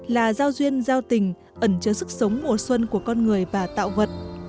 là giao duyên giao tình ẩn chứa sức sống mùa xuân của con người và tạo vật